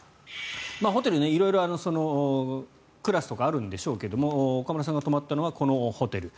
ホテル、色々クラスとかあるんでしょうが岡村さんが泊まったのはこのホテル。